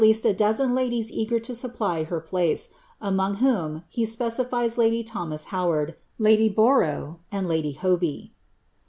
<i a dozen ladies eager lo supply her place, among whom he specifies bdv Thomas Howard, lady Borough, and iady Haby.